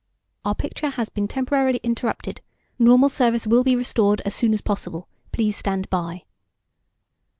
OUR PICTURE HAS BEEN TEMPORARILY INTERRUPTED. NORMAL SERVICE WILL BE RESTORED AS SOON AS POSSIBLE. PLEASE STAND BY.